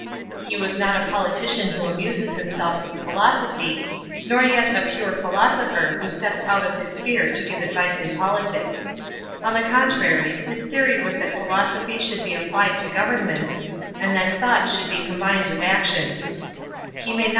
He was not a politician who amuses himself with philosophy, nor yet a pure philosopher who steps out of his sphere to give advice in politics. On the contrary, his theory was that philosophy should be applied to government, and that thought should be combimd with notion. He mny not h.